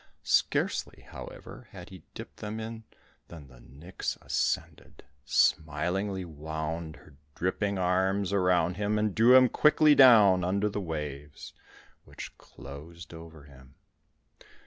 Scarcely, however, had he dipped them in than the nix ascended, smilingly wound her dripping arms around him, and drew him quickly down under the waves, which closed over him.